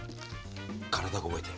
体が覚えてる。